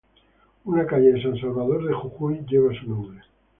Una calle de San Salvador de Jujuy lleva su nombre.